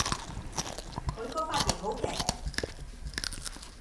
佢個髮型好騎咧